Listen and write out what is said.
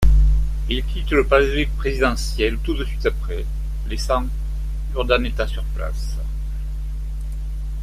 Il quitte le palais présidentiel tout de suite après, laissant Urdaneta sur place.